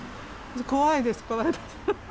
怖いです。